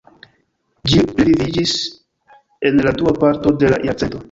Ĝi reviviĝis en la dua parto de la jarcento.